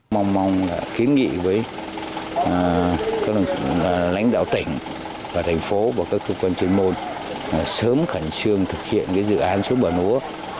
mong mong kiến nghị với các lãnh đạo tỉnh thành phố và các cơ quan chuyên môn sớm khẳng trương thực hiện dự án suối bà lúa